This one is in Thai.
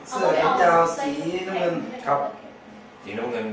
เสื้อนิดเดียวสีน้ำเงิน